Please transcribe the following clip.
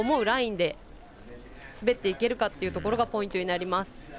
ラインで滑っていけるかっていうところがポイントになります。